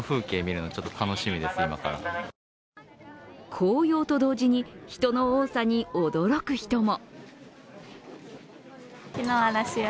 紅葉と同時に人の多さに驚く人も。